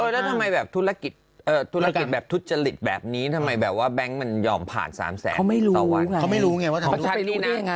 แล้วทำไมแบบธุรกิจแบบทุจริตแบบนี้ทำไมแบบว่าแบงค์มันยอมผ่าน๓แสนต่อวัน